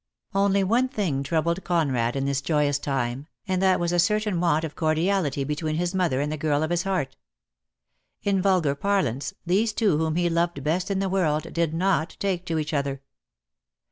Only one thing troubled Conrad in this joyous time, and that was a certain want of cordiality be tween his mother and the girl of his heart. In vulgar parlance, these two whom he loved best in the world did not take to each other.